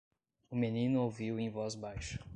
O menino ouviu em voz baixa.